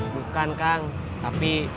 bukan kang tapi